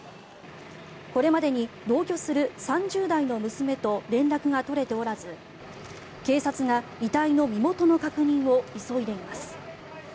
これまでに同居する３０代の娘と連絡が取れておらず警察が遺体の身元の確認を急いでいます。